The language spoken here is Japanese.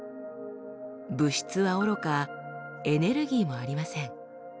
物質はおろかエネルギーもありません。